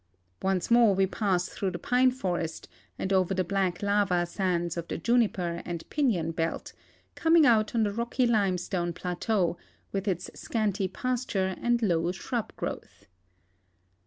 Once more we pass through the pine forest and over the black lava sands of the juniper and pinon belt, coming out on the rocky limestone plateau, with its scanty pasture and low shrub growth.